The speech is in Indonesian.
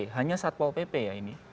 hanya saat pol pp ya ini